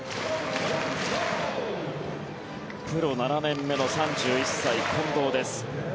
プロ７年目の３１歳近藤です。